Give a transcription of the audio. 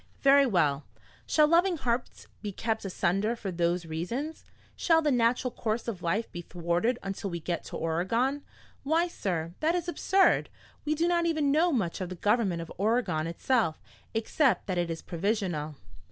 Very well. Shall loving hearts be kept asunder for those reasons? Shall the natural course of life be thwarted until we get to Oregon? Why, sir, that is absurd! We do not even know much of the government of Oregon itself, except that it is provisional."